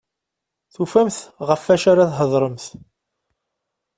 Tufamt ɣef wacu ara thedremt.